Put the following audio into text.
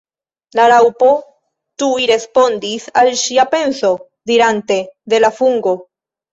La Raŭpo tuj respondis al ŝia penso, dirante "De la fungo."